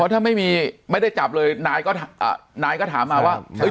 เพราะถ้าไม่มีไม่ได้จับเลยนายก็อ่านายก็ถามมาว่าเอ้ย